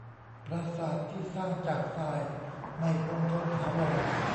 ปราสาทที่สร้างจากทรายไม่คงทนถาวร